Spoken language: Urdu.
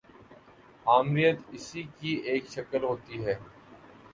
آمریت اسی کی ایک شکل ہوتی ہے۔